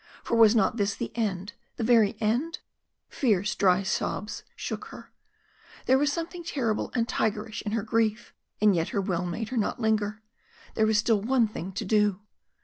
For was not this the end the very end? Fierce, dry sobs shook her. There was something terrible and tigerish in her grief. And yet her will made her not linger there was still one thing to do.